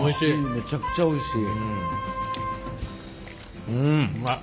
めちゃくちゃおいしい。